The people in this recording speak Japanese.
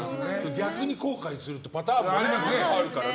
逆に後悔するパターンもあるからね。